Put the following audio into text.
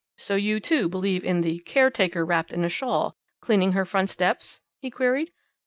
"So you, too, believe in the 'caretaker, wrapped up in a shawl,' cleaning her front steps?" he queried.